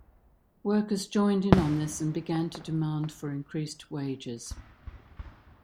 Workers joined in on this, and began to demand for increased wages.